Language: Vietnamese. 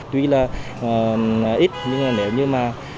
tuy là ít nhưng mà